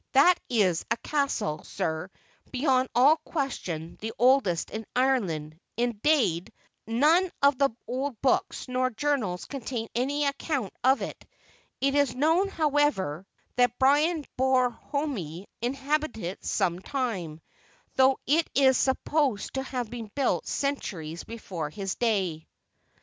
That is a castle, sir, beyond all question the oldest in Ireland; indade, none of the old books nor journals contain any account of it. It is known, however, that Brian Borrhoime inhabited it some time, though it is supposed to have been built centuries before his day."